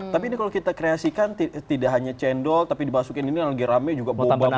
tapi ini kalau kita kreasikan tidak hanya cendol tapi dimasukin ini lagi rame juga boba boba gitu bisa ya